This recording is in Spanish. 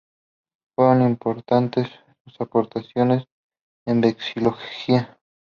Fueron importantes sus aportaciones en vexilología.